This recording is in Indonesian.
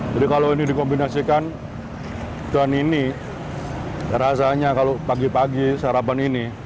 jadi kalau ini dikombinasikan dengan ini rasanya kalau pagi pagi sarapan ini